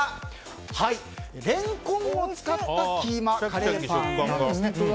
レンコンを使ったキーマカレーパンなんですね。